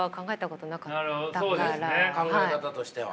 考え方としては。